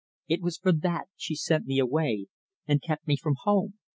It was for that, she sent me away, and kept me from home.